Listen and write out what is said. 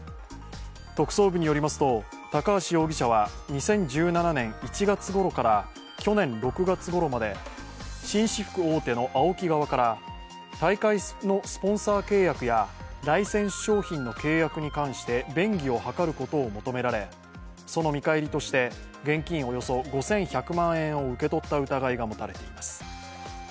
特捜部によりますと高橋容疑者は２０１７年１月ごろから去年６月ごろまで紳士服大手のＡＯＫＩ側から大会のスポンサー契約やライセンス商品の契約に関して便宜を図ることを求められその見返りとして現金およそ５１００万円を受け取った疑いがもたれています。